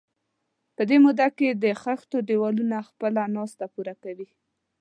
په دې موده کې د خښتو دېوالونه خپله ناسته پوره کوي.